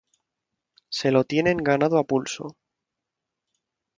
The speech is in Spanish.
se lo tienen ganado a pulso: